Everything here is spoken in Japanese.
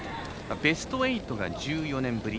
ベスト８が１４年ぶり。